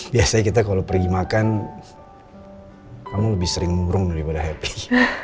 biasanya kita kalau pergi makan kamu lebih sering murung daripada happy